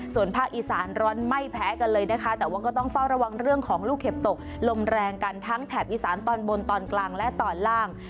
ส่วนภาคอีสานร้อนไม่แพ้กันเลยนะคะแต่ว่าก็ต้องเฝ้าระวังเรื่องของลูกเห็บตกลมแรงกันทั้งแถบอีสานตอนบนตอนกลางและตอนล่าง